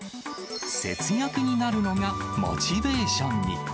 節約になるのがモチベーションに。